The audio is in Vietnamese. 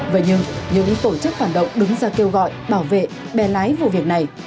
vậy nhưng những tổ chức phản động đứng ra kêu gọi bảo vệ bè lái vụ việc này